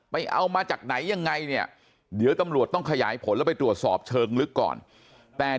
ไปเอามาจากไหนยังไงเดี๋ยวตำรวจต้องขยายผลแล้วก็ไปดุ